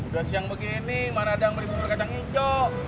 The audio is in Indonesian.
udah siang begini mana ada yang meliputi kacang hijau